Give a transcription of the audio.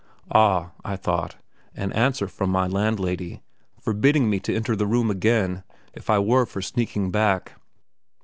Ah, I thought, an answer from my landlady, forbidding me to enter the room again if I were for sneaking back.